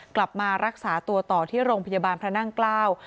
กลับมารักษาตัวต่อที่โรงพยาบาลพระนั่งเกล้า